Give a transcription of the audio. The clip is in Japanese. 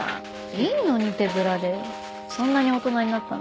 いいのに手ぶらでそんなに大人になったの？